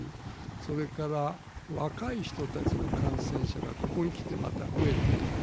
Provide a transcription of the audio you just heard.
それから若い人たちの感染者がここにきてまた増えている。